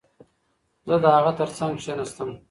زه د هغه ترڅنګ کښېناستم.